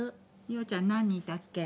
伊和ちゃん何人いたっけ？